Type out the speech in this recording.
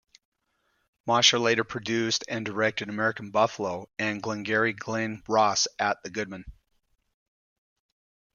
Mosher later produced and directed "American Buffalo" and "Glengarry Glen Ross" at the Goodman.